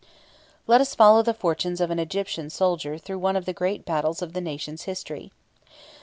Let us follow the fortunes of an Egyptian soldier through one of the great battles of the nation's history.